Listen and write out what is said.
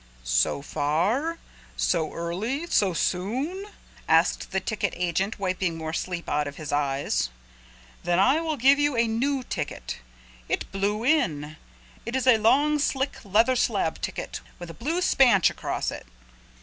"So far? So early? So soon?" asked the ticket agent wiping more sleep out his eyes. "Then I will give you a new ticket. It blew in. It is a long slick yellow leather slab ticket with a blue spanch across it."